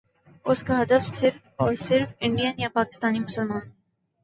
اس کا ہدف صرف اور صرف انڈین یا پاکستانی مسلمان ہیں۔